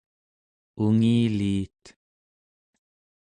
ungiliit